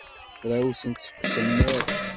Frawsent seg usemmiḍ.